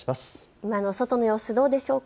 今の外の様子どうでしょうか。